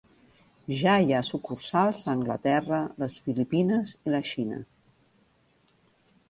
Ja hi ha sucursals a Anglaterra, les Filipines i la Xina.